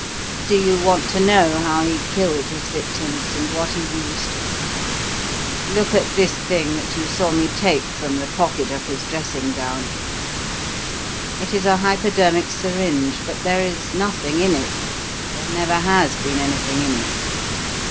Do you want to know how he killed his victims, and what he used? Look at this thing that you saw me take from the pocket of his dressing gown. It is a hypodermic syringe, but there is nothing in it there never has been anything in it.